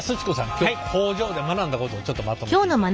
今日工場で学んだことをちょっとまとめていただいて。